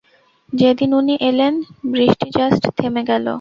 যেদিন উনি এলেন বৃষ্টি জাস্ট থেমে গেল।